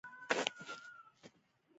مځکه د خوړو زېرمې لري.